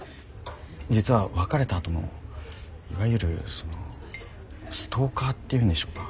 実は別れたあともいわゆるそのストーカーっていうんでしょうか。